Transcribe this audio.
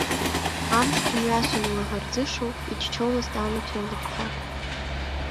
Амшқәа мҩасуан илаӷырӡышо, иччомызт анацәа рлакҭа.